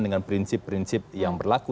dengan prinsip prinsip yang berlaku